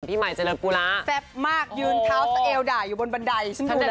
พี่ใหม่เจริญปุระแซ่บมากยืนเท้าเซลด่ายอยู่บนบันไดฉันดูแล